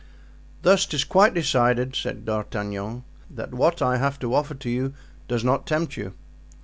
"Thus 'tis quite decided," said D'Artagnan, "that what I have to offer to you does not tempt you?"